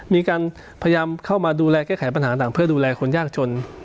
มีการพยายามเข้ามาดูแลแก้ไขปัญหาต่างเพื่อดูแลคนยากจน